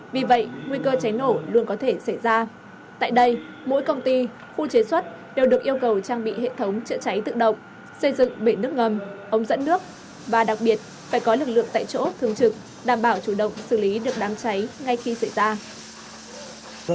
vì vậy nguy cơ cháy nổ luôn có thể xảy ra tại đây mỗi công ty khu chế xuất đều được yêu cầu trang bị hệ thống chữa cháy tự động xây dựng bể nước ngầm ống dẫn nước và đặc biệt phải có lực lượng tại chỗ thường trực đảm bảo chủ động xử lý được đám cháy ngay khi xảy ra